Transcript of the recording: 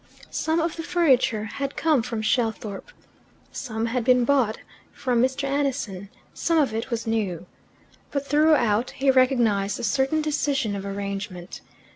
Some of the furniture had come from Shelthorpe, some had been bought from Mr. Annison, some of it was new. But throughout he recognized a certain decision of arrangement.